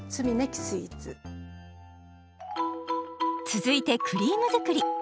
続いてクリーム作り。